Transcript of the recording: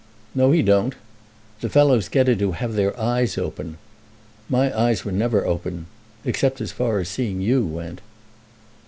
"No; he don't. The fellows get it who have their eyes open. My eyes never were open, except as far as seeing you went."